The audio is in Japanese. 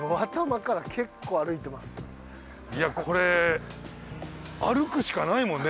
いやこれ歩くしかないもんね。